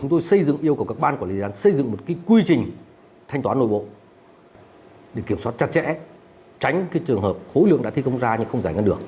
chúng tôi yêu cầu các ban quản lý dự án xây dựng một quy trình thanh toán nội bộ để kiểm soát chặt chẽ tránh trường hợp khối lượng đã thi công ra nhưng không giải ngăn được